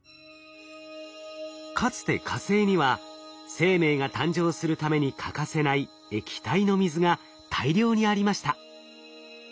かつて火星には生命が誕生するために欠かせない液体の水が大量にありました。